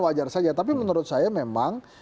wajar saja tapi menurut saya memang